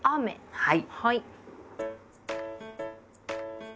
はい。